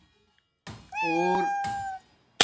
اور